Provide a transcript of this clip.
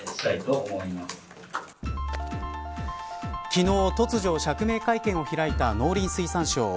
昨日、突如釈明会見を開いた農林水産省。